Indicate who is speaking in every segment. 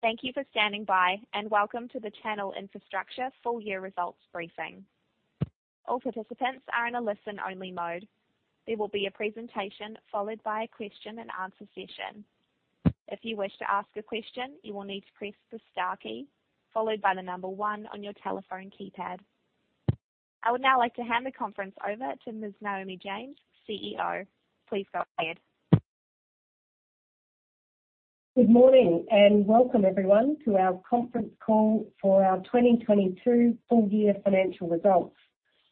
Speaker 1: Thank you for standing by and welcome to the Channel Infrastructure full-year results briefing. All participants are in a listen-only mode. There will be a presentation followed by a question and answer session. If you wish to ask a question, you will need to press the star key followed by the number one on your telephone keypad. I would now like to hand the conference over to Ms Naomi James, CEO. Please go ahead.
Speaker 2: Good morning and welcome everyone to our conference call for our 2022 Full Year Financial Results,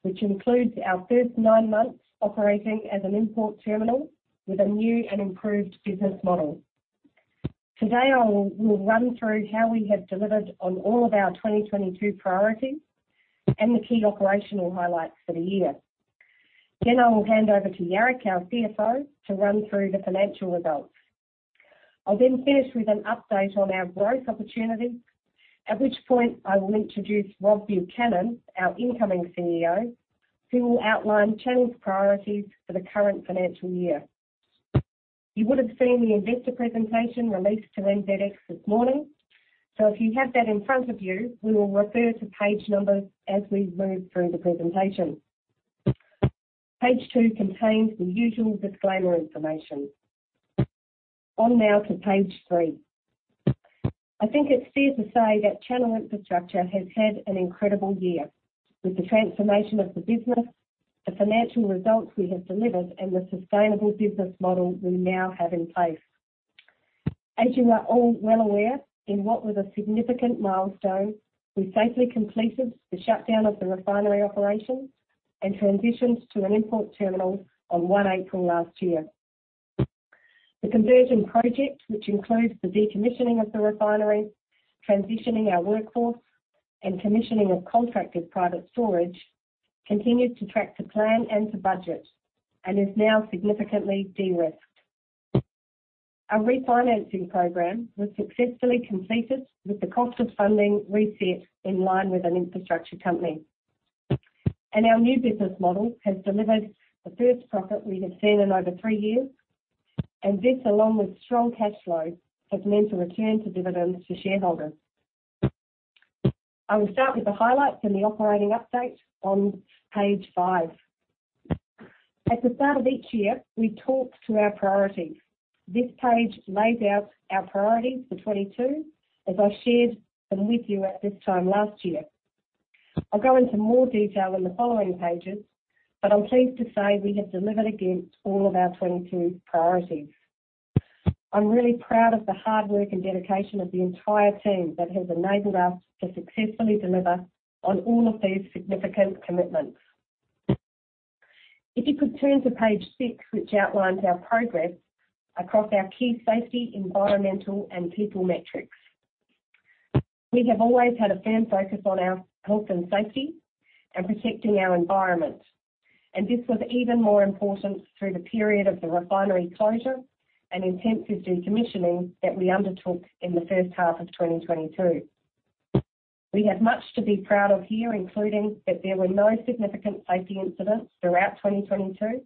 Speaker 2: which includes our first nine months operating as an import terminal with a new and improved business model. Today, we'll run through how we have delivered on all of our 2022 priorities and the key operational highlights for the year. I will hand over to Jarek, our CFO, to run through the financial results. I'll then finish with an update on our growth opportunities, at which point I will introduce Rob Buchanan, our incoming CEO, who will outline Channel's priorities for the current financial year. You would have seen the investor presentation released to NZX this morning. If you have that in front of you, we will refer to page numbers as we move through the presentation. Page two contains the usual disclaimer information. On now to page three. I think it's fair to say that Channel Infrastructure has had an incredible year with the transformation of the business, the financial results we have delivered, and the sustainable business model we now have in place. As you are all well aware, in what was a significant milestone, we safely completed the shutdown of the refinery operations and transitioned to an import terminal on April 1 last year. The conversion project, which includes the decommissioning of the refinery, transitioning our workforce, and commissioning of contracted private storage, continued to track to plan and to budget, and is now significantly de-risked. Our refinancing program was successfully completed with the cost of funding reset in line with an infrastructure company. Our new business model has delivered the first profit we have seen in over three years, and this, along with strong cash flow, has meant a return to dividends to shareholders. I will start with the highlights and the operating update on page five. At the start of each year, we talked to our priorities. This page lays out our priorities for 2022, as I shared them with you at this time last year. I'll go into more detail in the following pages, but I'm pleased to say we have delivered against all of our 2022 priorities. I'm really proud of the hard work and dedication of the entire team that has enabled us to successfully deliver on all of these significant commitments. If you could turn to page six, which outlines our progress across our key safety, environmental, and people metrics. We have always had a firm focus on our health and safety and protecting our environment, and this was even more important through the period of the refinery closure and intensive decommissioning that we undertook in the first half of 2022. We have much to be proud of here, including that there were no significant safety incidents throughout 2022,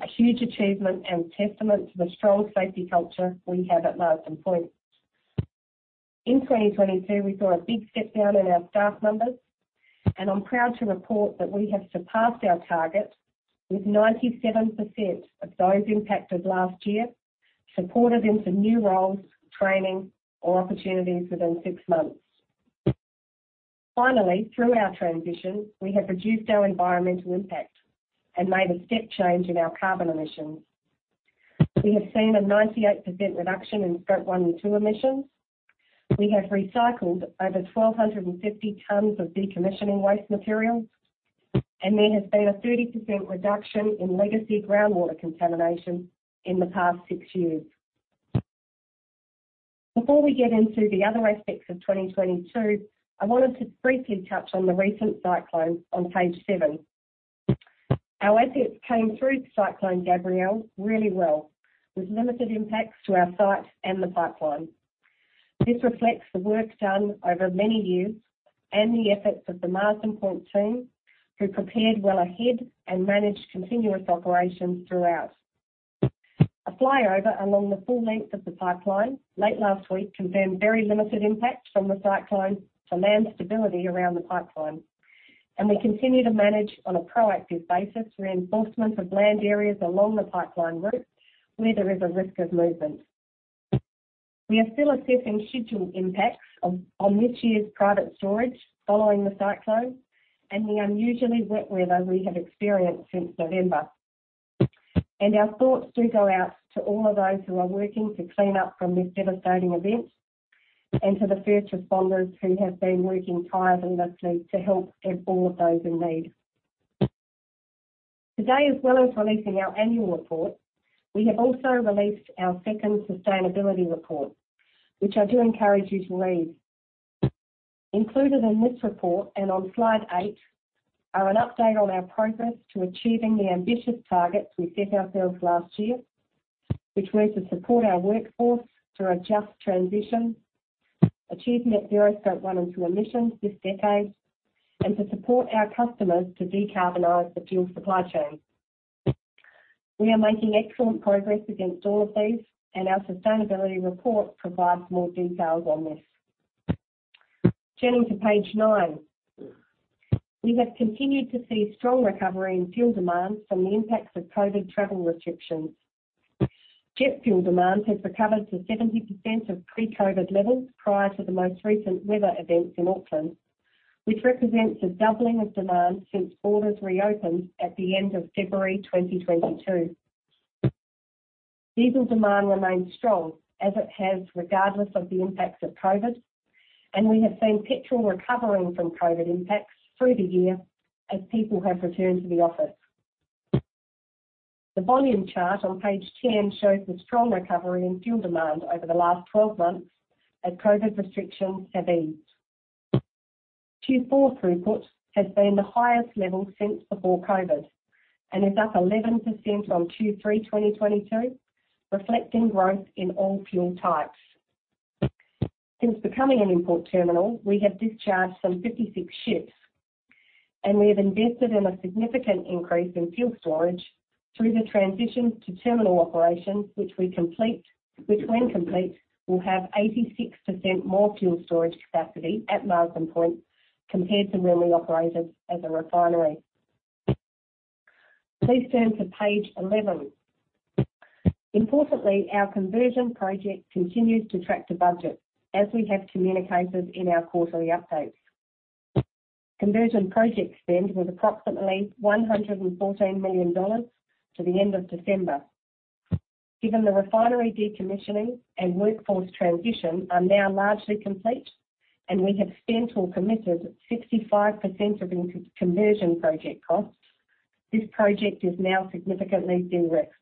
Speaker 2: a huge achievement and testament to the strong safety culture we have at Marsden Point. In 2022, we saw a big step down in our staff numbers, and I'm proud to report that we have surpassed our target, with 97% of those impacted last year supported into new roles, training, or opportunities within six months. Through our transition, we have reduced our environmental impact and made a step change in our carbon emissions. We have seen a 98% reduction in Scope 1 and 2 emissions. We have recycled over 1,250 tons of decommissioning waste materials. There has been a 30% reduction in legacy groundwater contamination in the past six years. Before we get into the other aspects of 2022, I wanted to briefly touch on the recent cyclone on page seven. Our assets came through Cyclone Gabrielle really well, with limited impacts to our site and the pipeline. This reflects the work done over many years and the efforts of the Marsden Point team, who prepared well ahead and managed continuous operations throughout. A flyover along the full length of the pipeline late last week confirmed very limited impact from the cyclone to land stability around the pipeline. We continue to manage on a proactive basis reinforcement of land areas along the pipeline route where there is a risk of movement. We are still assessing schedule impacts on this year's private storage following the cyclone and the unusually wet weather we have experienced since November. Our thoughts do go out to all of those who are working to clean up from this devastating event and to the first responders who have been working tirelessly to help all those in need. Today, as well as releasing our annual report, we have also released our second sustainability report, which I do encourage you to read. Included in this report and on slide eight are an update on our progress to achieving the ambitious targets we set ourselves last year, which were to support our workforce through a just transition, achieving net zero Scope 1 and 2 emissions this decade, and to support our customers to decarbonize the fuel supply chain. We are making excellent progress against all of these, and our sustainability report provides more details on this. Turning to page nine. We have continued to see strong recovery in fuel demand from the impacts of COVID travel restrictions. Jet fuel demand has recovered to 70% of pre-COVID levels prior to the most recent weather events in Auckland, which represents a doubling of demand since borders reopened at the end of February 2022. Diesel demand remains strong, as it has regardless of the impacts of COVID, we have seen petrol recovering from COVID impacts through the year as people have returned to the office. The volume chart on page 10 shows the strong recovery in fuel demand over the last 12 months as COVID restrictions have eased. Q4 throughput has been the highest level since before COVID, is up 11% on Q3-2022, reflecting growth in all fuel types. Since becoming an import terminal, we have discharged some 56 ships, we have invested in a significant increase in fuel storage through the transition to terminal operations, which when complete, will have 86% more fuel storage capacity at Marsden Point compared to when we operated as a refinery. Please turn to page 11. Importantly, our conversion project continues to track to budget, as we have communicated in our quarterly updates. Conversion project spend was approximately 114 million dollars to the end of December. Given the refinery decommissioning and workforce transition are now largely complete, and we have spent or committed 65% of the conversion project costs, this project is now significantly de-risked.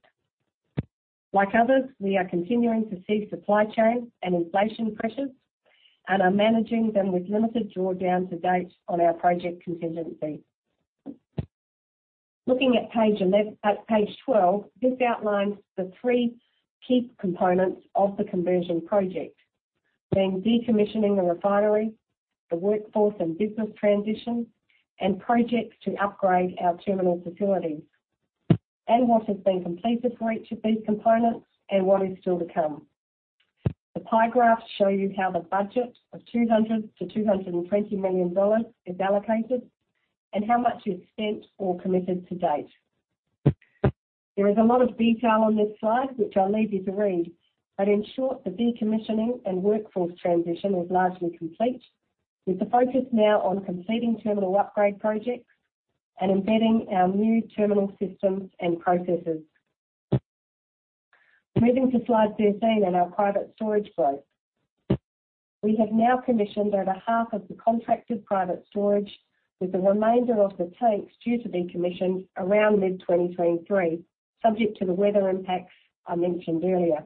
Speaker 2: Like others, we are continuing to see supply chain and inflation pressures, and are managing them with limited draw down to date on our project contingency. Looking at page 12, this outlines the three key components of the conversion project, being decommissioning the refinery, the workforce and business transition, and projects to upgrade our terminal facilities. What has been completed for each of these components and what is still to come. The pie graphs show you how the budget of 200 million-220 million dollars is allocated and how much is spent or committed to date. There is a lot of detail on this slide, which I'll leave you to read, but in short, the decommissioning and workforce transition is largely complete, with the focus now on completing terminal upgrade projects and embedding our new terminal systems and processes. Moving to slide 13 and our private storage growth. We have now commissioned over half of the contracted private storage, with the remainder of the tanks due to be commissioned around mid-2023, subject to the weather impacts I mentioned earlier.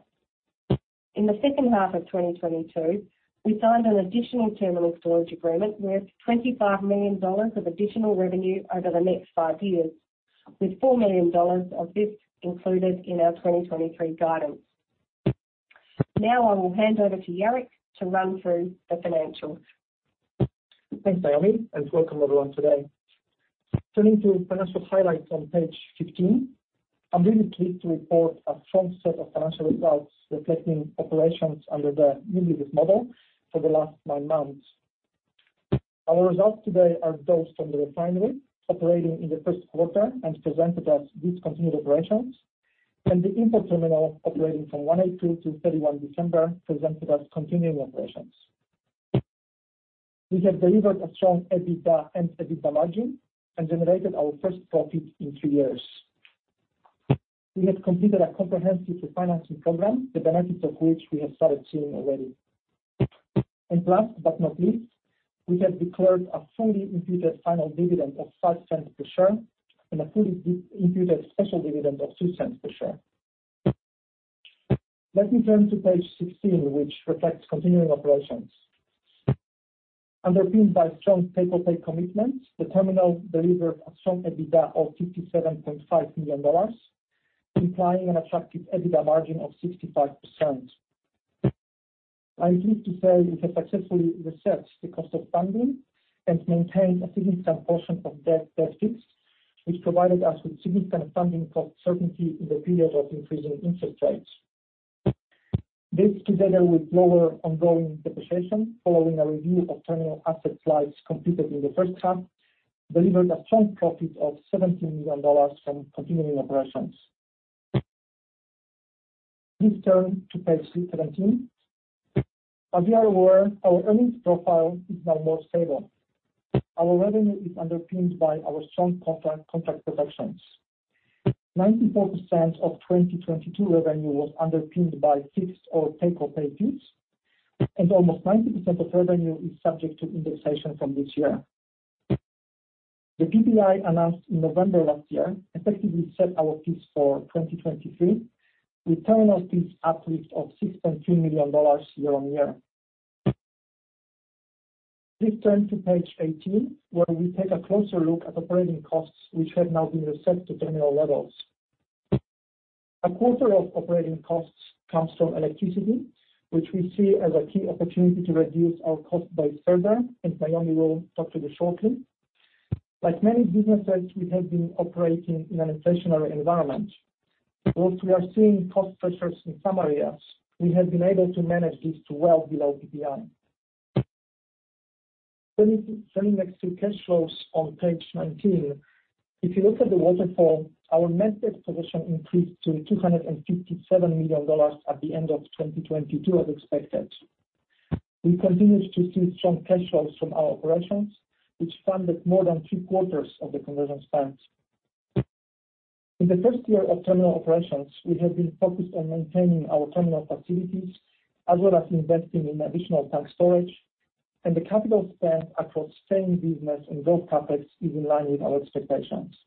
Speaker 2: In the second half of 2022, we signed an additional terminal storage agreement worth 25 million dollars of additional revenue over the next five years, with 4 million dollars of this included in our 2023 guidance. Now I will hand over to Jarek to run through the financials.
Speaker 3: Thanks, Naomi. Welcome everyone today. Turning to financial highlights on page 15, I'm really pleased to report a strong set of financial results reflecting operations under the new business model for the last nine months. Our results today are those from the refinery operating in the first quarter and presented as discontinued operations, and the import terminal operating from April 1 to December 31 presented as continuing operations. We have delivered a strong EBITDA and EBITDA margin and generated our first profit in three years. We have completed a comprehensive refinancing program, the benefits of which we have started seeing already. Last but not least, we have declared a fully imputed final dividend of 0.05 per share and a fully imputed special dividend of 0.02 per share. Let me turn to page 16, which reflects continuing operations. Underpinned by strong take-or-pay commitments, the terminal delivered a strong EBITDA of 57.5 million dollars, implying an attractive EBITDA margin of 65%. I'm pleased to say we have successfully reset the cost of funding and maintained a significant portion of debt that fits, which provided us with significant funding cost certainty in the period of increasing interest rates. This, together with lower ongoing depreciation following a review of terminal asset slides completed in the first half, delivered a strong profit of 17 million dollars from continuing operations. Please turn to page 17. As you are aware, our earnings profile is now more stable. Our revenue is underpinned by our strong contra-contract protections. 94% of 2022 revenue was underpinned by fixed or take-or-pay fees, and almost 90% of revenue is subject to indexation from this year. The PPI announced in November last year effectively set our fees for 2023, with terminal fees uplift of 6.2 million dollars year-over-year. Please turn to page 18, where we take a closer look at operating costs, which have now been reset to terminal levels. A quarter of operating costs comes from electricity, which we see as a key opportunity to reduce our costs by further. Naomi will talk to this shortly. Like many businesses, we have been operating in an inflationary environment. Whilst we are seeing cost pressures in some areas, we have been able to manage this to well below PPI. Turning next to cash flows on page 19. If you look at the waterfall, our net debt position increased to 257 million dollars at the end of 2022 as expected. We continue to see strong cash flows from our operations, which funded more than 3/4 of the conversion spends. In the first year of terminal operations, we have been focused on maintaining our terminal facilities, as well as investing in additional tank storage. The capital spend across same business and both CapEx is in line with our expectations.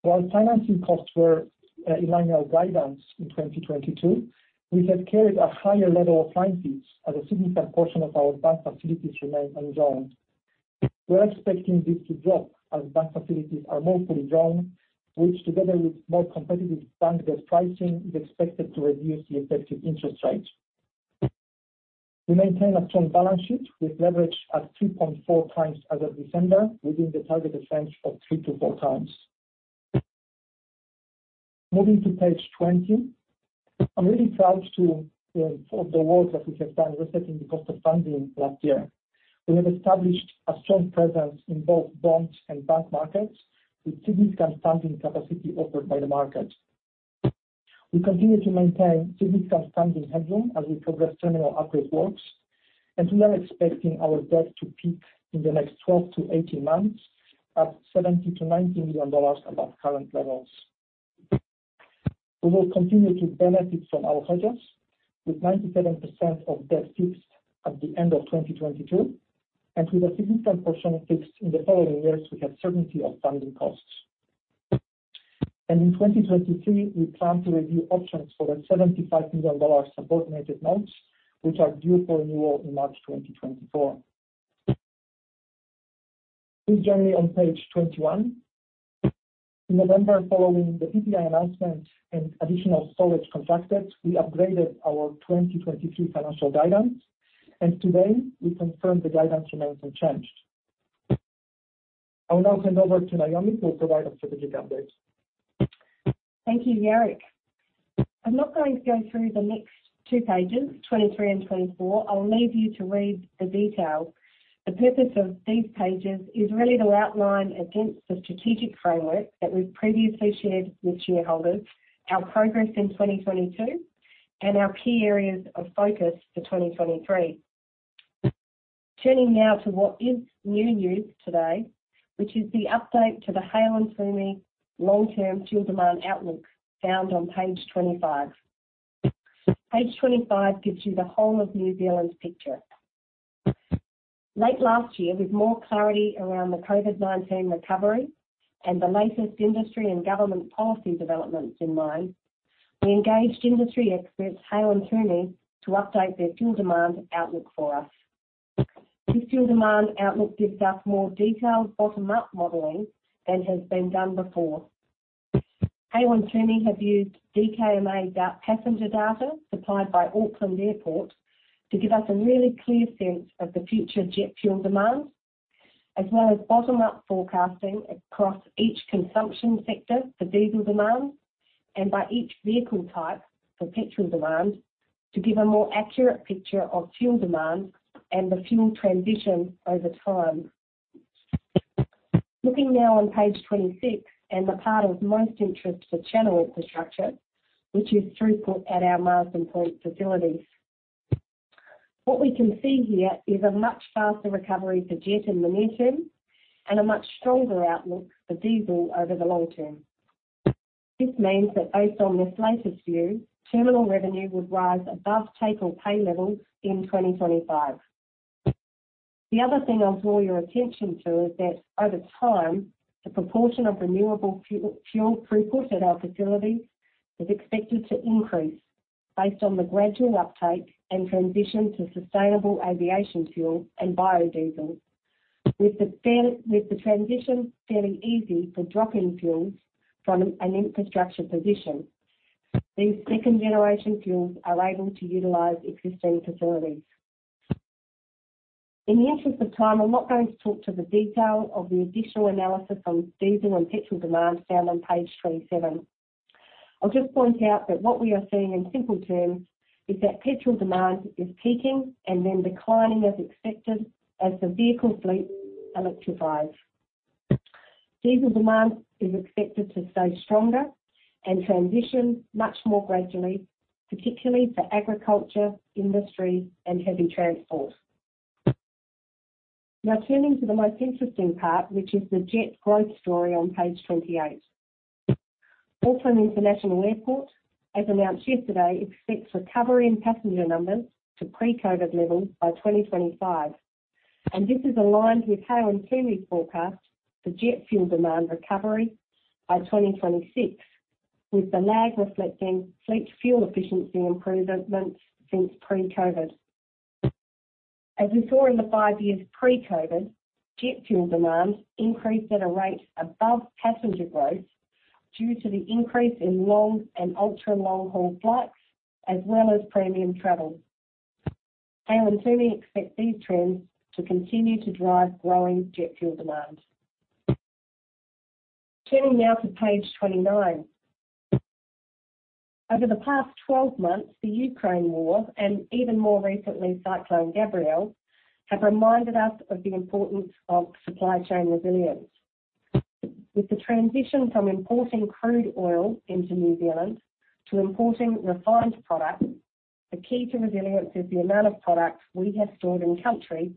Speaker 3: While financing costs were in line with our guidance in 2022, we have carried a higher level of finances as a significant portion of our bank facilities remain undrawn. We're expecting this to drop as bank facilities are more fully drawn, which together with more competitive bank debt pricing, is expected to reduce the effective interest rate. We maintain a strong balance sheet with leverage at 2.4x as of December, within the targeted range of 3x-4x. Moving to page 20. I'm really proud to of the work that we have done resetting the cost of funding last year. We have established a strong presence in both bonds and bank markets, with significant funding capacity offered by the market. We continue to maintain significant funding headroom as we progress terminal upgrade works, and we are expecting our debt to peak in the next 12-18 months at 70 million-90 million dollars above current levels. We will continue to benefit from our hedges, with 97% of debt fixed at the end of 2022, and with a significant portion fixed in the following years, we have certainty of funding costs. In 2023, we plan to review options for the 75 million dollar subordinated notes, which are due for renewal in March 2024. Please journey on page 21. In November, following the PPI announcement and additional storage contracted, we upgraded our 2023 financial guidance. Today we confirm the guidance remains unchanged. I will now hand over to Naomi to provide a strategic update.
Speaker 2: Thank you, Jarek. I'm not going to go through the next two pages, 23 and 24. I'll leave you to read the details. The purpose of these pages is really to outline against the strategic framework that we've previously shared with shareholders our progress in 2022 and our key areas of focus for 2023. Turning now to what is new news today, which is the update to the Hale & Twomey long-term fuel demand outlook found on page 25. Page 25 gives you the whole of New Zealand's picture. Late last year, with more clarity around the COVID-19 recovery and the latest industry and government policy developments in mind, we engaged industry experts, Hale & Twomey, to update their fuel demand outlook for us. This fuel demand outlook gives us more detailed bottom-up modeling than has been done before. Hale & Twomey have used DKMA passenger data supplied by Auckland Airport to give us a really clear sense of the future jet fuel demand, as well as bottom-up forecasting across each consumption sector for diesel demand and by each vehicle type for petrol demand to give a more accurate picture of fuel demand and the fuel transition over time. Looking now on page 26 and the part of most interest to Channel Infrastructure, which is throughput at our Marsden Point facilities. What we can see here is a much faster recovery for jet in the near term and a much stronger outlook for diesel over the long term. This means that based on this latest view, terminal revenue would rise above take-or-pay levels in 2025. The other thing I'll draw your attention to is that over time, the proportion of renewable fuel throughput at our facilities is expected to increase based on the gradual uptake and transition to sustainable aviation fuel and biodiesel. With the transition fairly easy for drop-in fuels from an infrastructure position, these second-generation fuels are able to utilize existing facilities. In the interest of time, I'm not going to talk to the detail of the additional analysis on diesel and petrol demand found on page 27. I'll just point out that what we are seeing in simple terms is that petrol demand is peaking and then declining as expected as the vehicle fleet electrifies. Diesel demand is expected to stay stronger and transition much more gradually, particularly for agriculture, industry, and heavy transport. Turning to the most interesting part, which is the jet growth story on page 28. Auckland International Airport, as announced yesterday, expects recovery in passenger numbers to pre-COVID levels by 2025. This is aligned with Hale & Twomey's forecast for jet fuel demand recovery by 2026, with the lag reflecting fleet fuel efficiency improvements since pre-COVID. As we saw in the five years pre-COVID, jet fuel demand increased at a rate above passenger growth due to the increase in long and ultra-long haul flights, as well as premium travel. We certainly expect these trends to continue to drive growing jet fuel demand. Turning now to page 29. Over the past 12 months, the Ukraine war and even more recently, Cyclone Gabrielle, have reminded us of the importance of supply chain resilience. With the transition from importing crude oil into New Zealand to importing refined products, the key to resilience is the amount of products we have stored in country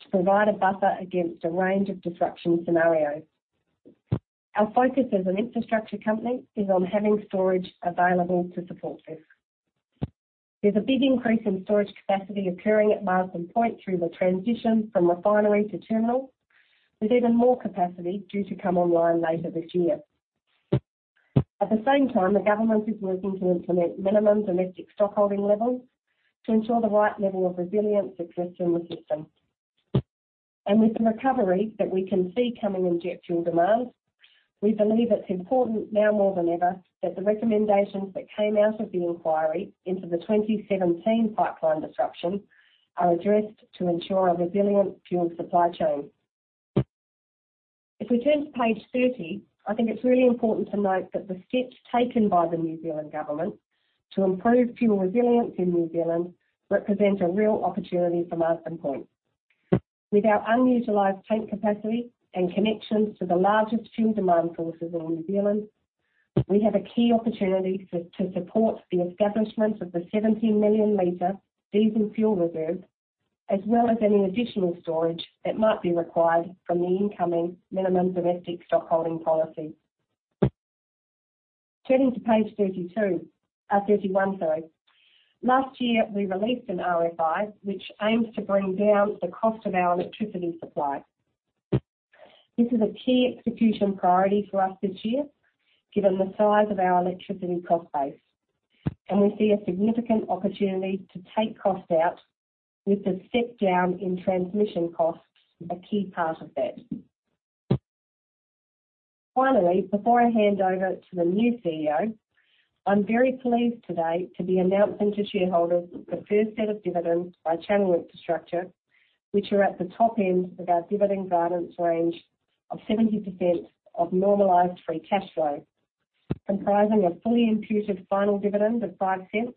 Speaker 2: to provide a buffer against a range of disruption scenarios. Our focus as an infrastructure company is on having storage available to support this. There's a big increase in storage capacity occurring at Marsden Point through the transition from refinery to terminal, with even more capacity due to come online later this year. At the same time, the government is working to implement minimum domestic stock holding levels to ensure the right level of resilience exists in the system. With the recovery that we can see coming in jet fuel demand, we believe it's important now more than ever, that the recommendations that came out of the inquiry into the 2017 pipeline disruption are addressed to ensure a resilient fuel supply chain. If we turn to page 30, I think it's really important to note that the steps taken by the New Zealand Government to improve fuel resilience in New Zealand represent a real opportunity for Marsden Point. With our unutilized tank capacity and connections to the largest fuel demand sources in New Zealand, we have a key opportunity to support the establishment of the 70 million liter diesel fuel reserve, as well as any additional storage that might be required from the incoming minimum stockholding obligation. Turning to page 32, 31, sorry. Last year, we released an RFI, which aims to bring down the cost of our electricity supply. This is a key execution priority for us this year, given the size of our electricity cost base, and we see a significant opportunity to take cost out with the step down in transmission costs, a key part of that. Finally, before I hand over to the new CEO, I'm very pleased today to be announcing to shareholders the first set of dividends by Channel Infrastructure, which are at the top end of our dividend guidance range of 70% of normalized free cash flow, comprising a fully imputed final dividend of 0.05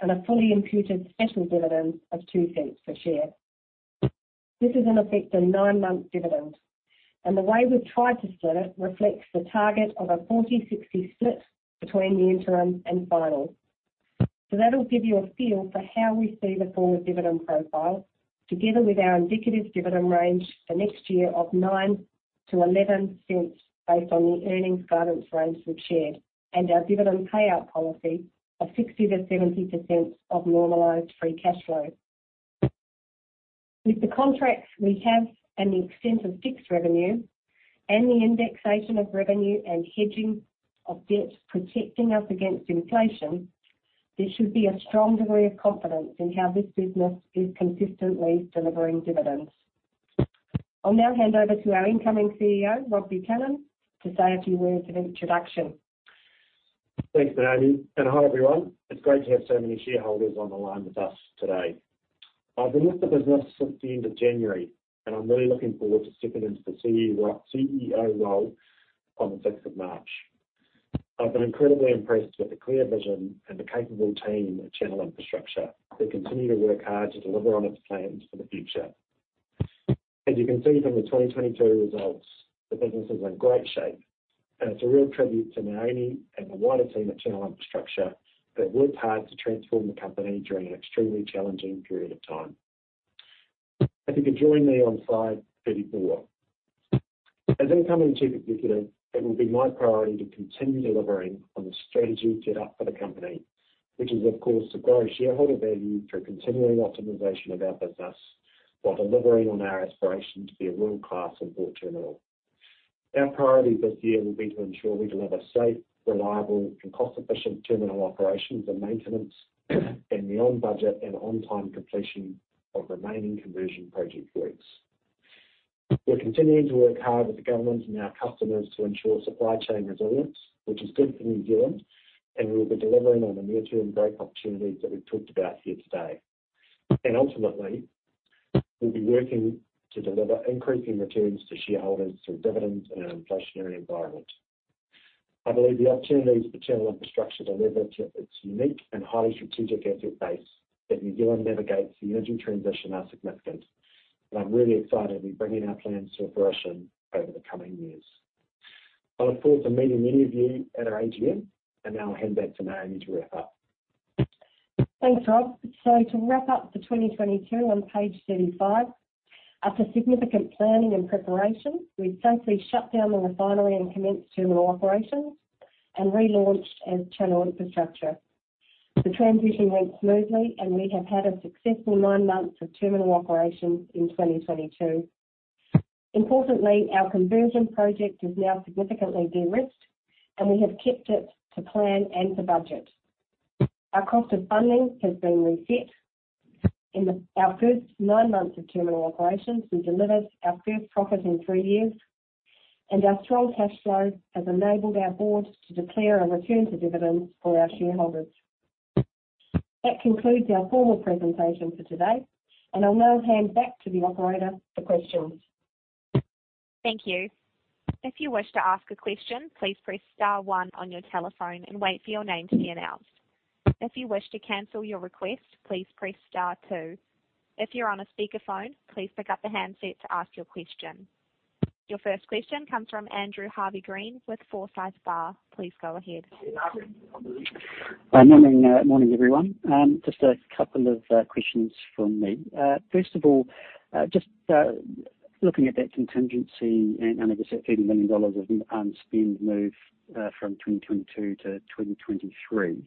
Speaker 2: and a fully imputed special dividend of 0.02 per share. This is in effect a nine-month dividend, and the way we've tried to split it reflects the target of a 40-60 split between the interim and final. That'll give you a feel for how we see the forward dividend profile, together with our indicative dividend range for next year of 0.09-0.11, based on the earnings guidance range we've shared and our dividend payout policy of 60%-70% of normalized free cash flow. With the contracts we have and the extent of fixed revenue and the indexation of revenue and hedging of debts protecting us against inflation, there should be a strong degree of confidence in how this business is consistently delivering dividends. I'll now hand over to our incoming CEO, Rob Buchanan, to say a few words of introduction.
Speaker 4: Thanks, Naomi. Hi, everyone. It's great to have so many shareholders on the line with us today. I've been with the business since the end of January, and I'm really looking forward to stepping into the CEO role on the 6th of March. I've been incredibly impressed with the clear vision and the capable team at Channel Infrastructure. They continue to work hard to deliver on its plans for the future. As you can see from the 2022 results, the business is in great shape, and it's a real tribute to Naomi and the wider team at Channel Infrastructure that worked hard to transform the company during an extremely challenging period of time. If you could join me on slide 34. As incoming chief executive, it will be my priority to continue delivering on the strategy set up for the company, which is of course to grow shareholder value through continuing optimization of our business, while delivering on our aspiration to be a world-class import terminal. Our priority this year will be to ensure we deliver safe, reliable, and cost-efficient terminal operations and maintenance, and the on budget and on time completion of remaining conversion project works. We're continuing to work hard with the government and our customers to ensure supply chain resilience, which is good for New Zealand, and we'll be delivering on the near-term growth opportunities that we've talked about here today. Ultimately, we'll be working to deliver increasing returns to shareholders through dividends in an inflationary environment. I believe the opportunities for Channel Infrastructure delivered to its unique and highly strategic asset base that New Zealand navigates the energy transition are significant. I'm really excited to be bringing our plans to fruition over the coming years. I look forward to meeting many of you at our AGM. Now I'll hand back to Naomi to wrap up.
Speaker 2: Thanks, Rob. To wrap up for 2022 on page 35, after significant planning and preparation, we successfully shut down the refinery and commenced terminal operations and relaunched as Channel Infrastructure. The transition went smoothly, and we have had a successful nine months of terminal operations in 2022. Importantly, our conversion project is now significantly de-risked, and we have kept it to plan and to budget. Our cost of funding has been reset. Our first nine months of terminal operations, we delivered our first profit in three years. Our strong cash flow has enabled our board to declare a return to dividends for our shareholders. That concludes our formal presentation for today, and I'll now hand back to the operator for questions.
Speaker 1: Thank you. If you wish to ask a question, please press star one on your telephone and wait for your name to be announced. If you wish to cancel your request, please press star two. If you're on a speakerphone, please pick up the handset to ask your question. Your first question comes from Andrew Harvey-Green with Forsyth Barr. Please go ahead.
Speaker 5: Hi. Morning. Morning, everyone. Just a couple of questions from me. First of all, just looking at that contingency and obviously 30 million dollars of spend move from 2022 to 2023.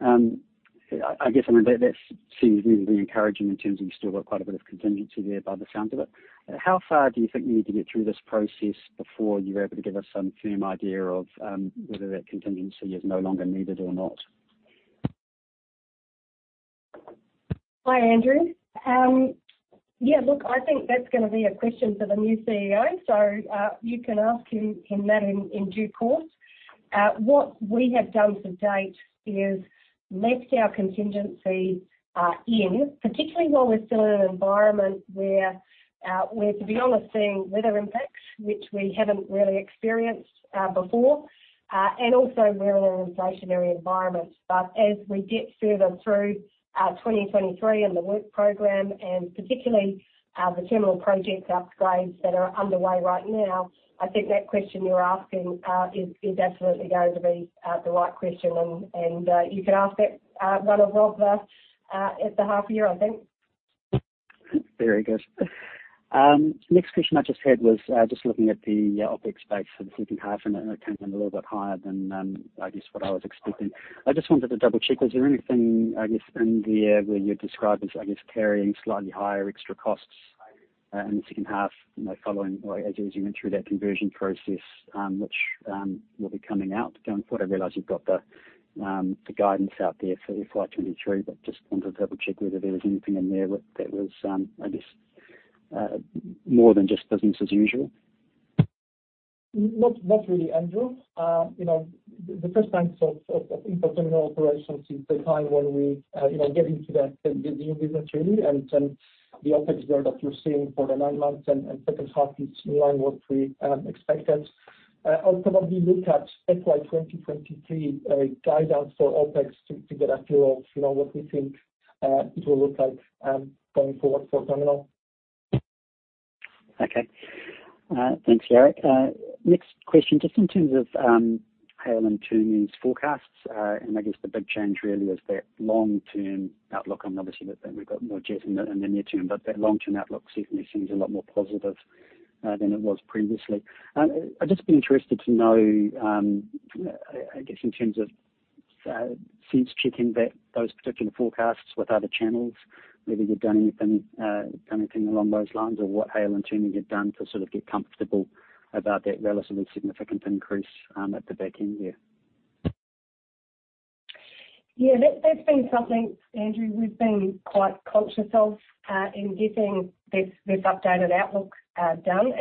Speaker 5: I guess, I mean, that seems really encouraging in terms of you've still got quite a bit of contingency there by the sounds of it. How far do you think you need to get through this process before you're able to give us some firm idea of whether that contingency is no longer needed or not?
Speaker 2: Hi, Andrew. Yeah, look, I think that's gonna be a question for the new CEO. You can ask him that in due course. What we have done to date is left our contingency in, particularly while we're still in an environment where to be honest, seeing weather impacts, which we haven't really experienced before, and also we're in an inflationary environment. As we get further through 2023 and the work program, and particularly, the terminal project upgrades that are underway right now, I think that question you're asking, is absolutely going to be the right question. You can ask that, one of. at the half year, I think.
Speaker 5: Very good. Next question I just had was, just looking at the OpEx base for the second half, and it came in a little bit higher than, I guess what I was expecting. I just wanted to double-check. Was there anything, I guess, in there where you described as, I guess, carrying slightly higher extra costs in the second half, you know, following or as you went through that conversion process, which will be coming out going forward? I realize you've got the guidance out there for FY 2023, but just wanted to double-check whether there was anything in there that was, I guess, more than just business as usual?
Speaker 3: Not really, Andrew. You know, the first months of interterminal operations is the time when we, you know, get into the nitty-gritty and the OpEx there that you're seeing for the nine months and second half is in line what we expected. I'll probably look at FY 2023 guidance for OpEx to get a feel of, you know, what we think it will look like going forward for terminal.
Speaker 5: Okay. Thanks, Jarek. Next question, just in terms of Hale & Twomey's forecasts. I guess the big change really is that long-term outlook. Obviously, we've got more jet in the near term. That long-term outlook certainly seems a lot more positive than it was previously. I'd just been interested to know, I guess in terms of sense checking those particular forecasts with other channels, whether you've done anything along those lines or what Hale & Twomey have done to sort of get comfortable about that relatively significant increase at the back end there?
Speaker 2: Yeah. That's been something, Andrew, we've been quite conscious of in getting this updated outlook done.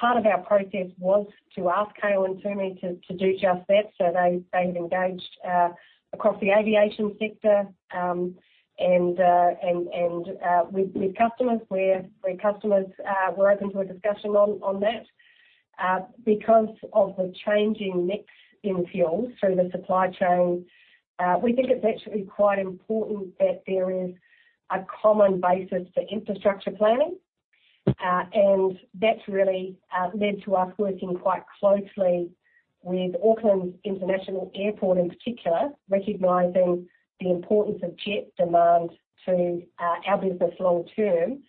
Speaker 2: Part of our process was to ask Hale & Twomey to do just that. They've engaged across the aviation sector, and with customers where customers were open to a discussion on that. Because of the changing mix in fuels through the supply chain, we think it's actually quite important that there is a common basis for infrastructure planning. That's really led to us working quite closely with Auckland International Airport in particular, recognizing the importance of jet demand to our business long term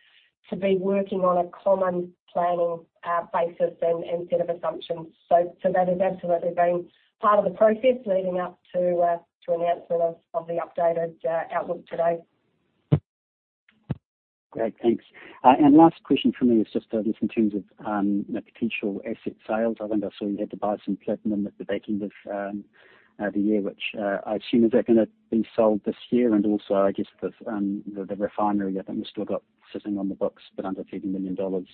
Speaker 2: to be working on a common planning basis and set of assumptions. That has absolutely been part of the process leading up to announcement of the updated outlook today.
Speaker 5: Great. Thanks. Last question from me is just in terms of, you know, potential asset sales. I think I saw you had to buy some platinum at the back end of the year, which, I assume, is that gonna be sold this year? Also, I guess the refinery, I think we've still got sitting on the books, but under 30 million dollars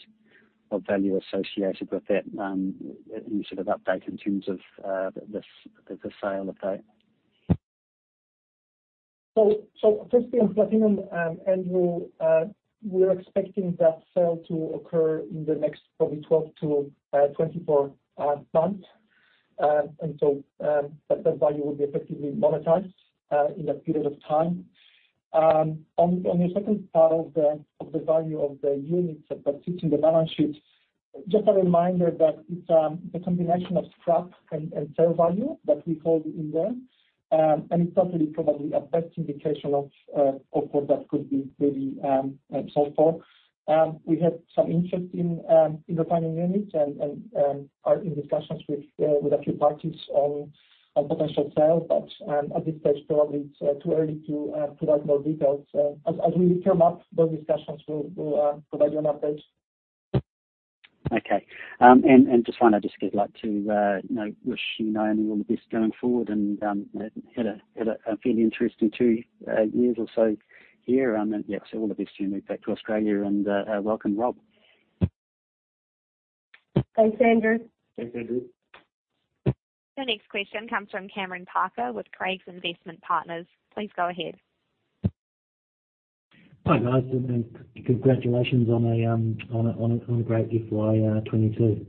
Speaker 5: of value associated with that. Any sort of update in terms of the sale of that?
Speaker 3: Firstly on platinum, Andrew, we're expecting that sale to occur in the next probably 12-24 months. That value will be effectively monetized in that period of time. On your second part of the value of the units that are sitting in the balance sheets, just a reminder that it's a combination of scrap and sale value that we hold in there. It's certainly probably a best indication of what that could be maybe sold for. We have some interest in refining units and are in discussions with a few parties on potential sale. At this stage, probably it's too early to provide more details. As we firm up those discussions, we'll provide you an update.
Speaker 5: Okay. Just finally, I'd just like to, you know, wish you, Naomi, all the best going forward and had a fairly interesting two years or so here. Yeah, all the best to you and move back to Australia and, welcome, Rob.
Speaker 2: Thanks, Andrew.
Speaker 4: Thanks, Andrew.
Speaker 1: The next question comes from Cameron Parker with Craigs Investment Partners. Please go ahead.
Speaker 6: Hi, guys, and congratulations on a great FY 2022.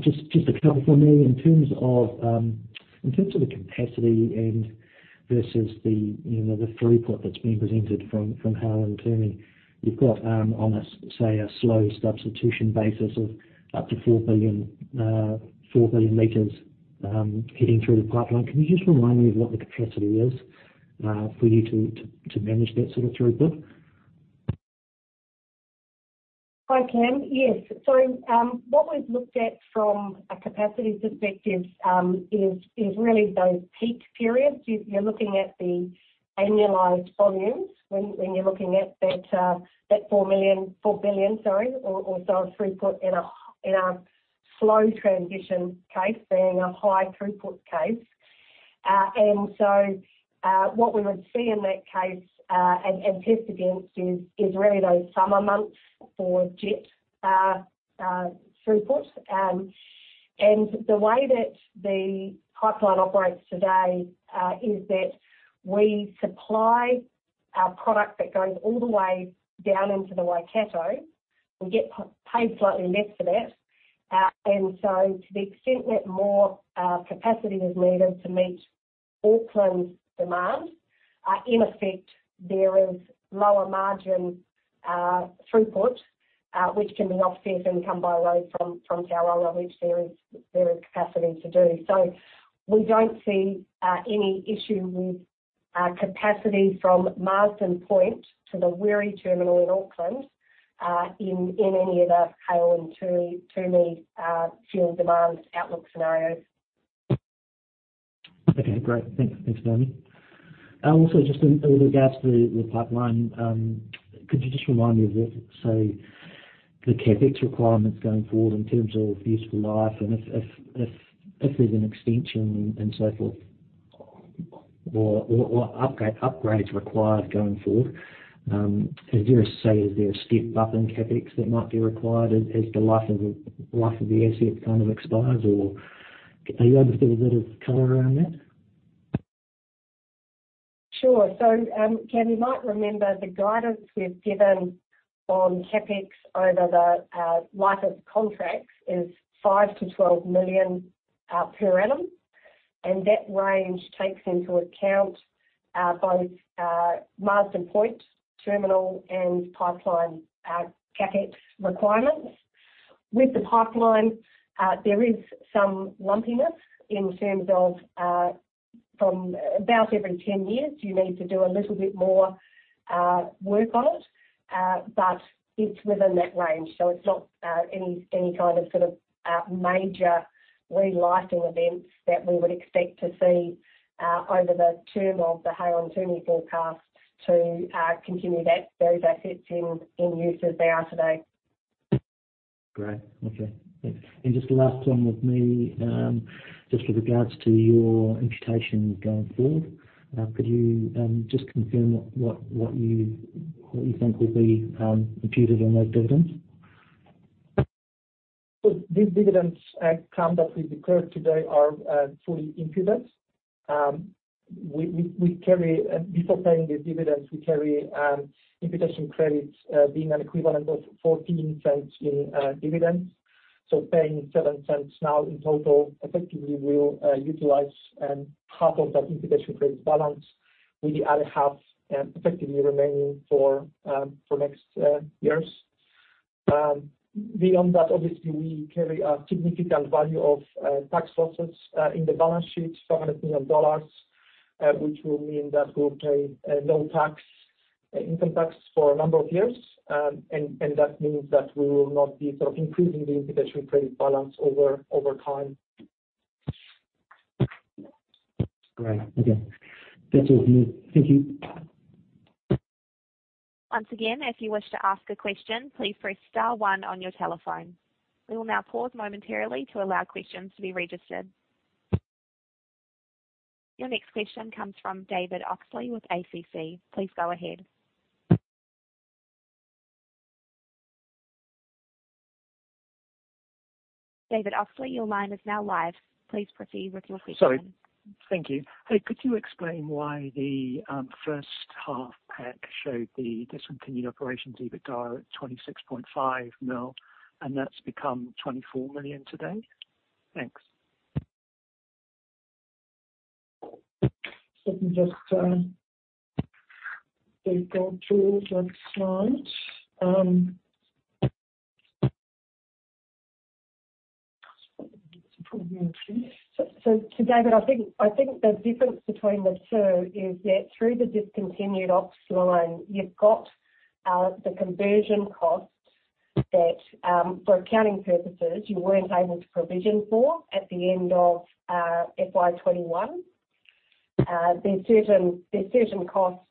Speaker 6: Just a couple from me in terms of the capacity and versus the, you know, the throughput that's been presented from Hale & Twomey. You've got on a, say, a slow substitution basis of up to 4 billion liters heading through the pipeline. Can you just remind me of what the capacity is for you to manage that sort of throughput?
Speaker 2: Hi, Cam. Yes. What we've looked at from a capacity perspective is really those peak periods. You're looking at the annualized volumes when you're looking at that 4 billion, sorry, or also a throughput in a slow transition case, being a high throughput case. What we would see in that case and test against is really those summer months for jet throughput. The way that the pipeline operates today is that we supply our product that goes all the way down into the Waikato. We get paid slightly less for that. To the extent that more capacity is needed to meet Auckland's demand, in effect, there is lower margin throughput, which can be offset and come by road from Taupō, which there is capacity to do. We don't see any issue with capacity from Marsden Point to the Wiri terminal in Auckland, in any of the Hale & Twomey fuel demand outlook scenarios.
Speaker 6: Okay, great. Thanks, Naomi. Also, just in regards to the pipeline, could you just remind me of what, say, the CapEx requirements going forward in terms of useful life and if there's an extension and so forth or upgrades required going forward? Is there a step up in CapEx that might be required as the life of the asset kind of expires, or are you able to give a bit of color around that?
Speaker 2: Sure. Cam, you might remember the guidance we've given on CapEx over the life of contracts is 5 million-12 million per annum. That range takes into account both Marsden Point terminal and pipeline CapEx requirements. With the pipeline, there is some lumpiness in terms of from about every 10 years, you need to do a little bit more work on it, but it's within that range. It's not any kind of sort of major relighting events that we would expect to see over the term of the Hale & Twomey forecast to continue that those assets in use as they are today.
Speaker 6: Great. Okay. Thanks. Just the last one with me, just with regards to your imputation going forward, could you just confirm what you think will be imputed on those dividends?
Speaker 3: These dividends, count that we declared today are fully imputed. Before paying these dividends, we carry imputation credits, being an equivalent of 0.14 in dividends. Paying 0.07 now in total effectively will utilize half of that imputation credit balance with the other half effectively remaining for next years. Beyond that, obviously, we carry a significant value of tax losses in the balance sheet, NZD 400 million, which will mean that we'll pay no tax, income tax for a number of years. And that means that we will not be sort of increasing the imputation credit balance over time.
Speaker 6: Great. Okay. That's all from me. Thank you.
Speaker 1: Once again, if you wish to ask a question, please press star one on your telephone. We will now pause momentarily to allow questions to be registered. Your next question comes from David Oxley with ACC. Please go ahead. David Oxley, your line is now live. Please proceed with your question.
Speaker 7: Sorry. Thank you. Hey, could you explain why the first half pack showed the discontinued operations EBITDA at 26.5 million, and that's become 24 million today? Thanks.
Speaker 2: Let me just go through that slide. David, I think the difference between the two is that through the discontinued ops line, you've got the conversion costs that for accounting purposes, you weren't able to provision for at the end of FY 2021. There's certain costs,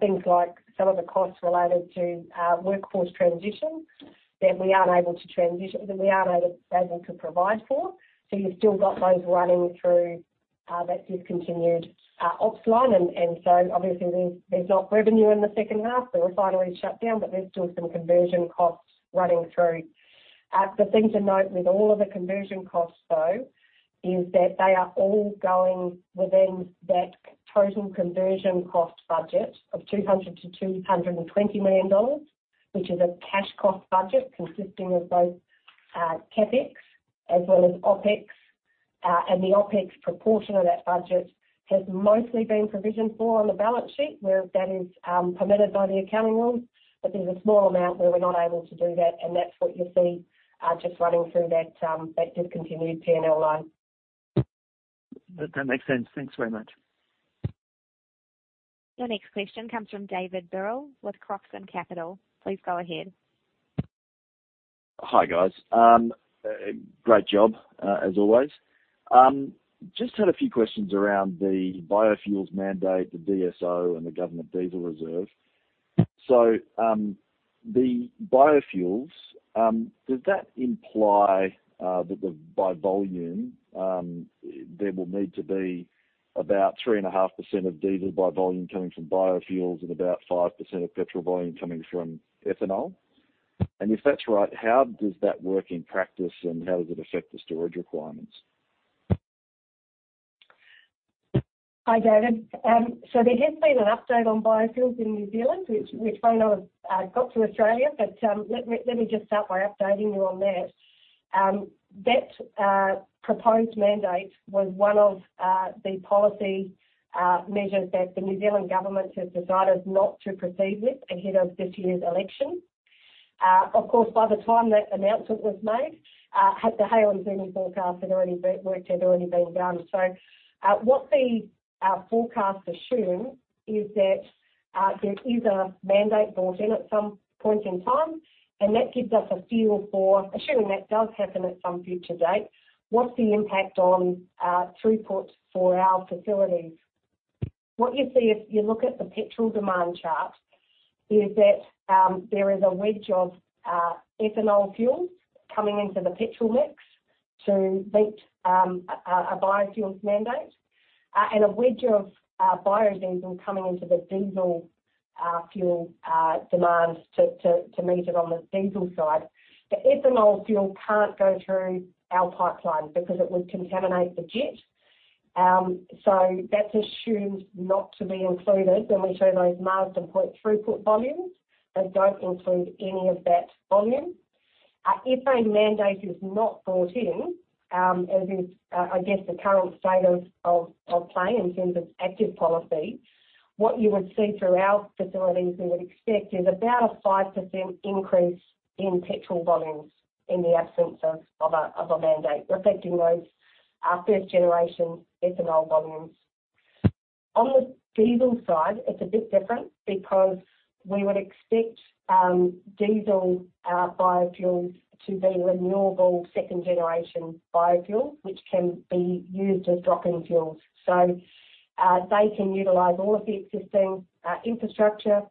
Speaker 2: things like some of the costs related to workforce transition that we aren't able to provide for. You've still got those running through that discontinued ops line. Obviously there's not revenue in the second half. The refinery's shut down, but there's still some conversion costs running through. The thing to note with all of the conversion costs, though, is that they are all going within that total conversion cost budget of 200 million-220 million dollars, which is a cash cost budget consisting of both CapEx as well as OpEx. The OpEx proportion of that budget has mostly been provisioned for on the balance sheet, where that is permitted by the accounting rules. There's a small amount where we're not able to do that, and that's what you see just running through that discontinued P&L line.
Speaker 7: That makes sense. Thanks very much.
Speaker 1: Your next question comes from David Birrell with Croxon Capital. Please go ahead.
Speaker 8: Hi, guys. great job as always. Just had a few questions around the biofuels mandate, the DSO, and the government diesel reserve. The biofuels, does that imply that the by volume, there will need to be about 3.5% of diesel by volume coming from biofuels and about 5% of petrol volume coming from ethanol? If that's right, how does that work in practice, and how does it affect the storage requirements?
Speaker 2: Hi, David. There has been an update on biofuels in New Zealand which may not have got to Australia. Let me just start by updating you on that. That proposed mandate was one of the policy measures that the New Zealand government has decided not to proceed with ahead of this year's election. Of course, by the time that announcement was made, the Hale & Twomey forecast work had already been done. What the forecast assumes is that there is a mandate brought in at some point in time, and that gives us a feel for, assuming that does happen at some future date, what's the impact on throughput for our facilities. What you see if you look at the petrol demand chart is that there is a wedge of ethanol fuel coming into the petrol mix to meet a biofuels mandate and a wedge of biodiesel coming into the diesel fuel demand to meet it on the diesel side. The ethanol fuel can't go through our pipeline because it would contaminate the jet. That's assumed not to be included when we show those Marsden Point throughput volumes. They don't include any of that volume. If a mandate is not brought in, as is, I guess the current state of play in terms of active policy, what you would see through our facilities, we would expect is about a 5% increase in petrol volumes in the absence of a mandate reflecting those first-generation ethanol volumes. On the diesel side, it's a bit different because we would expect diesel biofuels to be renewable second-generation biofuels, which can be used as drop-in fuels. They can utilize all of the existing infrastructure.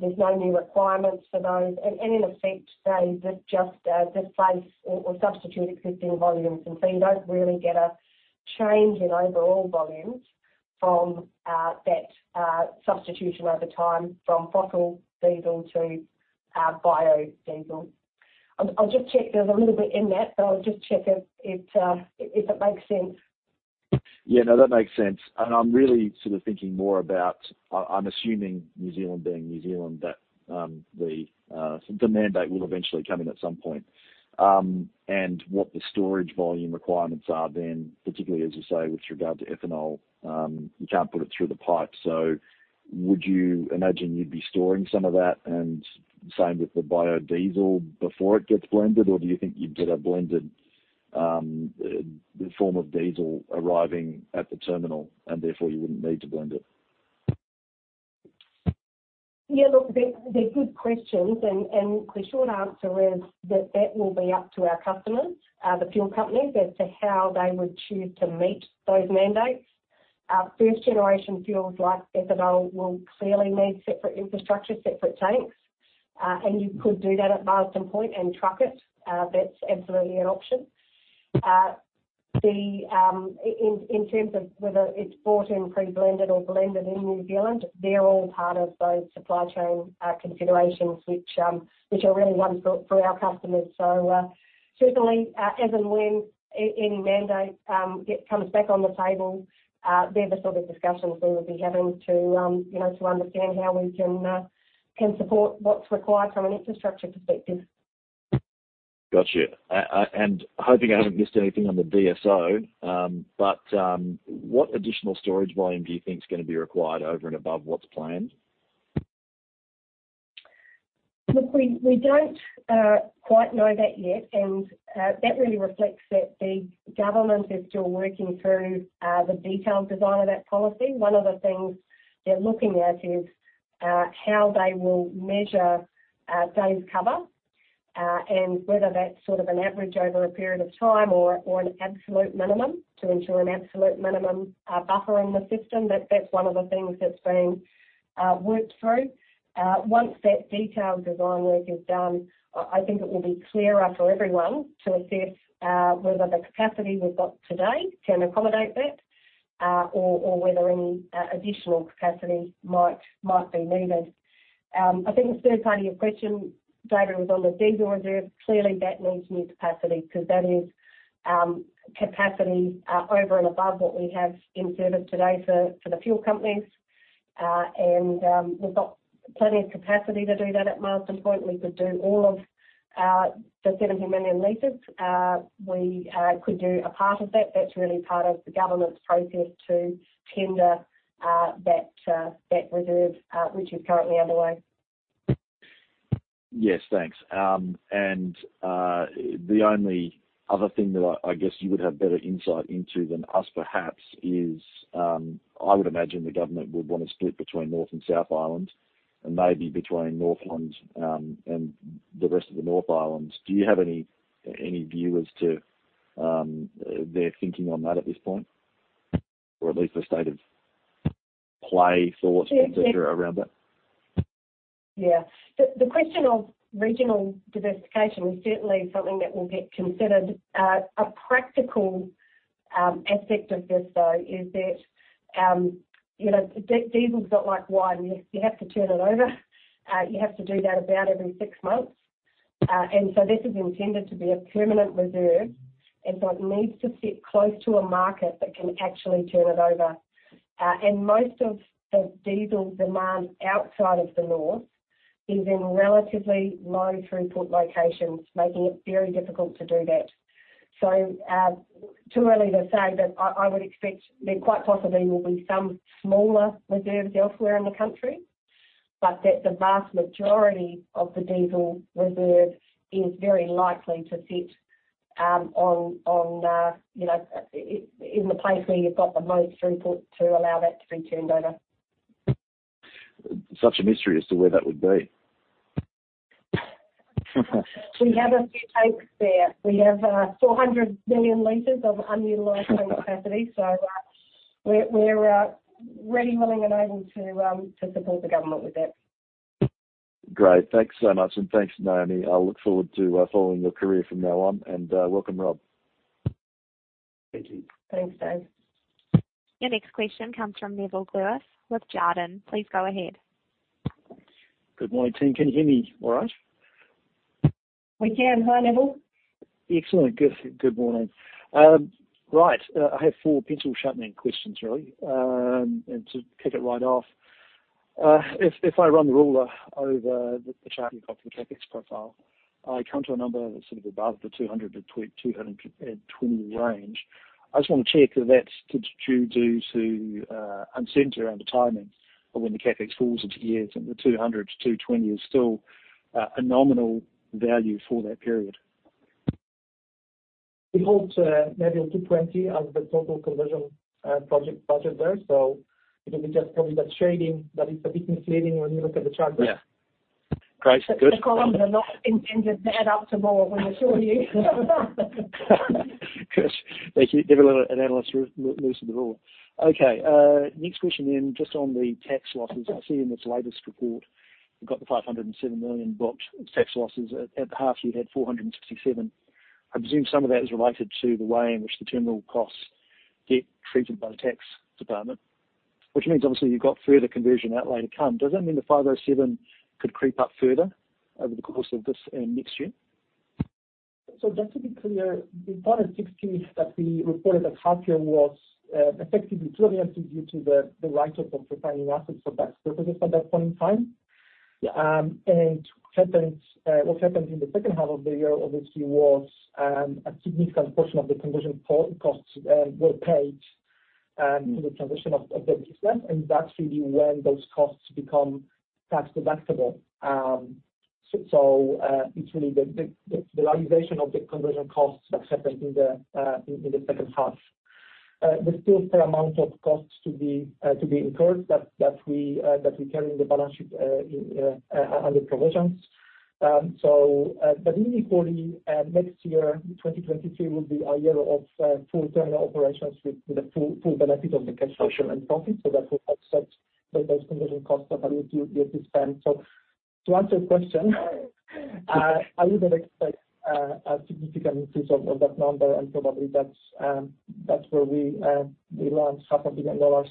Speaker 2: There's no new requirements for those. In effect, they just replace or substitute existing volumes. You don't really get a change in overall volumes from that substitution over time from fossil diesel to biodiesel. I'll just check. There's a little bit in that, but I'll just check if it makes sense.
Speaker 8: Yeah. No, that makes sense. I'm really sort of thinking more about... I'm assuming New Zealand being New Zealand that the mandate will eventually come in at some point, and what the storage volume requirements are then, particularly, as you say, with regard to ethanol. You can't put it through the pipe, would you imagine you'd be storing some of that and same with the biodiesel before it gets blended or do you think you'd get a blended form of diesel arriving at the terminal and therefore you wouldn't need to blend it?
Speaker 2: Yeah, look, they're good questions and the short answer is that that will be up to our customers, the fuel companies as to how they would choose to meet those mandates. First-generation fuels like ethanol will clearly need separate infrastructure, separate tanks. You could do that at Marsden Point and truck it. That's absolutely an option. The in terms of whether it's brought in pre-blended or blended in New Zealand, they're all part of those supply chain considerations which are really one for our customers. Certainly, as and when any mandate comes back on the table, they're the sort of discussions we would be having to, you know, to understand how we can support what's required from an infrastructure perspective.
Speaker 8: Gotcha. and hoping I haven't missed anything on the DSO, but, what additional storage volume do you think is gonna be required over and above what's planned?
Speaker 2: Look, we don't quite know that yet, that really reflects that the government is still working through the detailed design of that policy. One of the things they're looking at is how they will measure days cover, whether that's sort of an average over a period of time or an absolute minimum to ensure an absolute minimum buffer in the system. That's one of the things that's being worked through. Once that detailed design work is done, I think it will be clearer for everyone to assess whether the capacity we've got today can accommodate that or whether any additional capacity might be needed. I think the third part of your question, David, was on the diesel reserve. Clearly, that needs new capacity because that is capacity over and above what we have in service today for the fuel companies. We've got plenty of capacity to do that at Marsden Point. We could do all of the 17 million liters. We could do a part of that. That's really part of the government's process to tender that reserve which is currently underway.
Speaker 8: Yes. Thanks. The only other thing that I guess you would have better insight into than us perhaps is, I would imagine the government would wanna split between North and South Island and maybe between Northland and the rest of the North Island. Do you have any view as to their thinking on that at this point? Or at least a state of play, thoughts?
Speaker 2: Yeah.
Speaker 8: consider around that?
Speaker 2: Yeah. The question of regional diversification is certainly something that will get considered. A practical aspect of this, though, is that, you know, diesel is not like wine. You have to turn it over. You have to do that about every six months. This is intended to be a permanent reserve, and so it needs to sit close to a market that can actually turn it over. Most of the diesel demand outside of the north is in relatively low throughput locations, making it very difficult to do that. Too early to say, but I would expect there quite possibly will be some smaller reserves elsewhere in the country, but that the vast majority of the diesel reserve is very likely to sit, you know, in the place where you've got the most throughput to allow that to be turned over.
Speaker 8: Such a mystery as to where that would be.
Speaker 2: We have a few tanks there. We have 400 million liters of unutilized capacity, so, we're ready, willing, and able to support the government with that.
Speaker 8: Great. Thanks so much. Thanks, Naomi. I look forward to following your career from now on, and welcome, Rob.
Speaker 2: Thank you.
Speaker 3: Thanks, Dave.
Speaker 1: Your next question comes from Nevill Gluyas with Jarden. Please go ahead.
Speaker 9: Good morning, team. Can you hear me all right?
Speaker 2: We can. Hi, Nevill.
Speaker 9: Excellent. Good. Good morning. Right. I have four pencil sharpening questions, really. To kick it right off, if I run the ruler over the chart you've got for the CapEx profile, I come to a number that's sort of above the 200 to 220 range. I just wanna check that that's due to uncertainty around the timing of when the CapEx falls into years and the 200 to 220 is still a nominal value for that period.
Speaker 3: We hold, Nevill, 220 as the total conversion, project budget there. It will be just probably that shading that is a bit misleading when you look at the chart there.
Speaker 9: Yeah. Great. Good.
Speaker 2: The columns are not intended to add up to more when we show you.
Speaker 9: Good. Thank you. Every analyst loses the rule. Okay, next question, just on the tax losses. I see in this latest report, you've got 507 million booked tax losses. At the half year, you had 467 million. I presume some of that is related to the way in which the terminal costs get treated by the tax department, which means obviously you've got further conversion outlaid to come. Does that mean the 507 million could creep up further over the course of this and next year?
Speaker 3: Just to be clear, the 560 that we reported at half-year was effectively truly actually due to the write-off of refining assets for tax purposes at that point in time. What happened, what happened in the second half of the year obviously was a significant portion of the conversion costs were paid in the transition of the business, and that's really when those costs become tax-deductible. It's really the realization of the conversion costs that happened in the second half. There's still fair amount of costs to be incurred that we carry in the balance sheet under provisions. Equally, next year, 2022 will be a year of full terminal operations with the full benefit of the cash social and profit. That will offset those conversion costs that are yet to be spent. To answer your question, I wouldn't expect a significant increase of that number, and probably that's where we land half a billion dollars.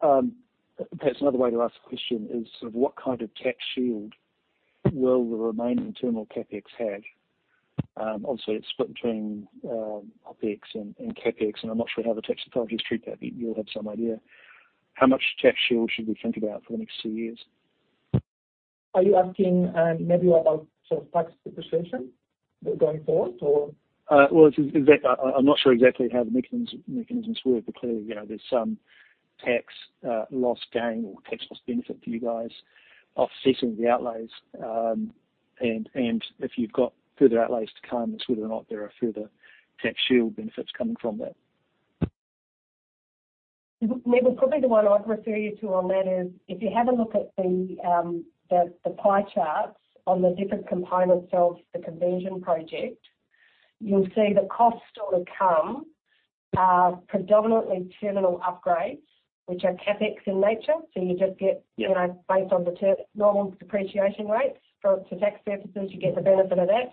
Speaker 9: Perhaps another way to ask the question is sort of what kind of tax shield will the remaining terminal CapEx have? Obviously, it's split between OpEx and CapEx, and I'm not sure how the tax authorities treat that. You'll have some idea. How much tax shield should we think about for the next three years?
Speaker 3: Are you asking, Nevill, about sort of tax depreciation going forward or?
Speaker 9: Well, I'm not sure exactly how the mechanisms work. Clearly, you know, there's some tax loss gain or tax loss benefit for you guys offsetting the outlays. If you've got further outlays to come, it's whether or not there are further tax shield benefits coming from that.
Speaker 2: Nevill, probably the one I'd refer you to on that is if you have a look at the pie charts on the different components of the conversion project, you'll see the costs still to come are predominantly terminal upgrades, which are CapEx in nature, so you just get, you know, based on the normal depreciation rates. For tax purposes, you get the benefit of that.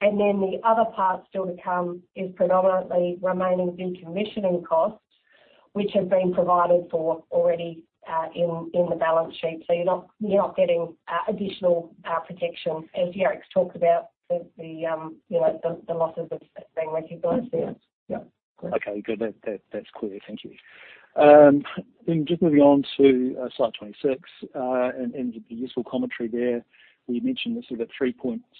Speaker 2: The other part still to come is predominantly remaining decommissioning costs, which have been provided for already in the balance sheet. So you're not, you're not getting additional protection. As Jarek's talked about, you know, the losses have been recognized there.
Speaker 9: Yeah. Okay, good. That's clear. Thank you. Then just moving on to slide 26 and the useful commentary there. Where you mentioned the sort of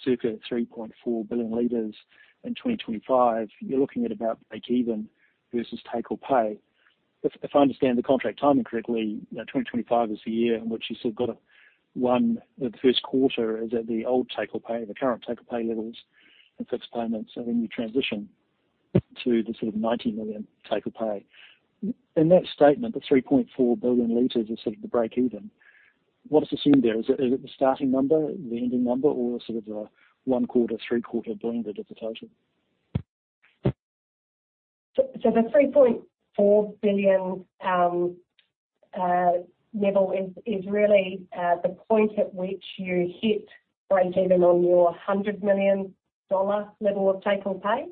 Speaker 9: circa 3.4 billion liters in 2025, you're looking at about breakeven versus take or pay. If, if I understand the contract timing correctly, you know, 2025 is the year in which you sort of got a The first quarter is at the old take or pay, the current take or pay levels and fixed payments. Then you transition to the sort of 90 million take or pay. In that statement, the 3.4 billion liters is sort of the breakeven. What's assumed there? Is it the starting number, the ending number or sort of the one quarter, three-quarter blended of the total?
Speaker 2: The 3.4 billion, Nevill, is really the point at which you hit breakeven on your 100 million dollar level of take-or-pay.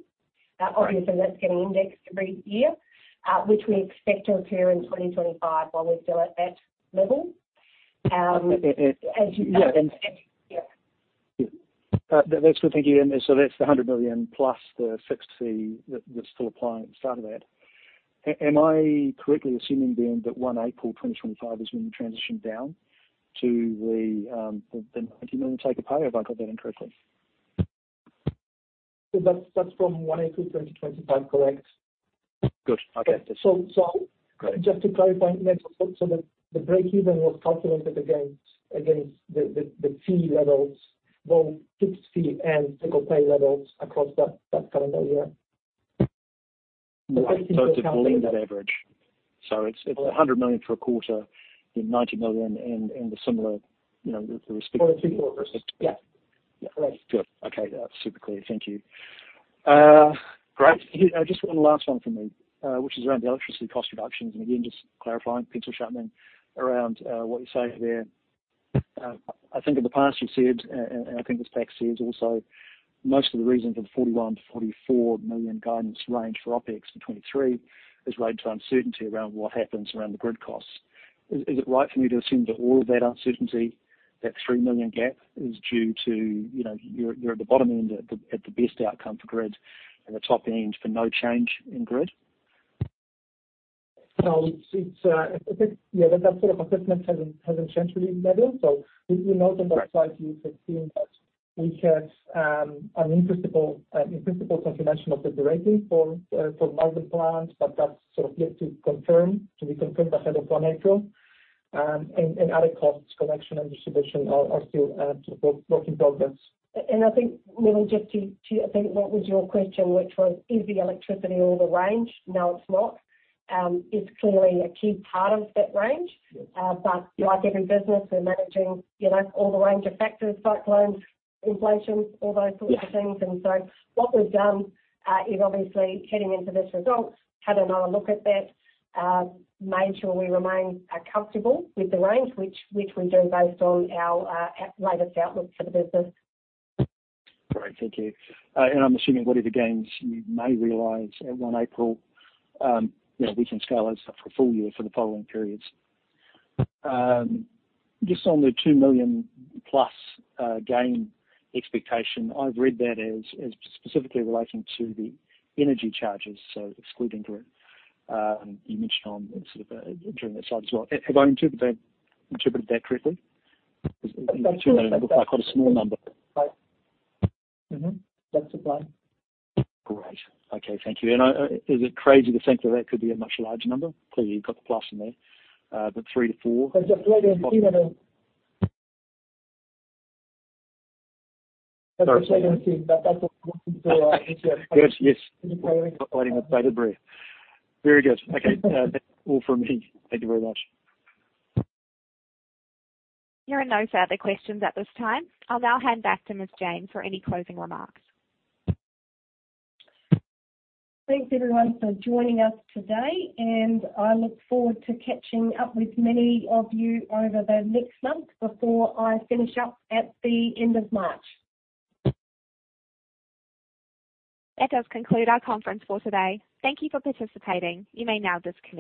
Speaker 9: Great.
Speaker 2: that's getting indexed every year, which we expect to occur in 2025 while we're still at that level.
Speaker 9: Yeah.
Speaker 2: Yeah.
Speaker 9: Yeah. That's good. Thank you. That's the 100 million plus the 60 million that's still applying at the start of that. Am I correctly assuming that April 1, 2025, is when you transition down to the 90 million take-or-pay, or have I got that incorrectly?
Speaker 3: That's from April 1 2025, correct?
Speaker 9: Good. Okay.
Speaker 3: So, so-
Speaker 9: Great.
Speaker 3: Just to clarify, Nevill, the breakeven was calculated against the fee levels, both fixed fee and take-or-pay levels across that calendar year.
Speaker 9: It's a blended average. It's 100 million for a quarter and 90 million in the similar, you know, the respective...
Speaker 3: For the two quarters. Yeah. Yeah. Right.
Speaker 9: Good. Okay. That's super clear. Thank you. Great. Here, just one last one from me, which is around the electricity cost reductions and again, just clarifying, pencil sharpening around what you say there. I think in the past you've said, and I think this tax says also, most of the reason for the 41 million-44 million guidance range for OpEx for 2023 is related to uncertainty around what happens around the grid costs. Is it right for me to assume that all of that uncertainty, that 3 million gap is due to, you know, you're at the bottom end at the best outcome for grid and the top end for no change in grid?
Speaker 3: No, it's, I think. Yeah, that sort of assessment hasn't changed really, Nevill.
Speaker 9: Great.
Speaker 3: On that slide, you could see that we had an in-principle confirmation of the rating for both the plants. That's sort of yet to confirm, to be confirmed by end of April 1. Other costs, collection and distribution are still work in progress.
Speaker 2: I think, Nevill, just to... I think what was your question, which was is the electricity all the range? No, it's not. It's clearly a key part of that range.
Speaker 9: Yes.
Speaker 2: Like every business, we're managing, you know, all the range of factors, float loans, inflation, all those sorts of things.
Speaker 9: Yeah.
Speaker 2: What we've done, is obviously heading into this result, had another look at that, made sure we remain, comfortable with the range which we do based on our latest outlook for the business.
Speaker 9: Great, thank you. I'm assuming whatever gains you may realize at April 1, you know, we can scale those up for full year for the following periods. Just on the 2 million+ gain expectation, I've read that as specifically relating to the energy charges, so excluding grid. You mentioned on sort of during that slide as well. Have I interpreted that correctly? Because NZD 2 million looks like quite a small number.
Speaker 3: That's right.
Speaker 9: Great. Okay, thank you. I, is it crazy to think that that could be a much larger number? Clearly, you've got the plus in there, but three-four-
Speaker 3: That's a planning team and a-.
Speaker 9: Sorry.
Speaker 3: That's a planning team. That's what we're looking to achieve.
Speaker 9: Good. Yes.
Speaker 3: In the planning.
Speaker 9: Not biting the bread. Very good. Okay. That's all from me. Thank you very much.
Speaker 1: There are no further questions at this time. I'll now hand back to Ms. Jane for any closing remarks.
Speaker 2: Thanks, everyone, for joining us today, and I look forward to catching up with many of you over the next month before I finish up at the end of March.
Speaker 1: That does conclude our conference for today. Thank you for participating. You may now disconnect.